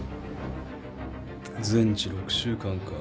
全治６週間か。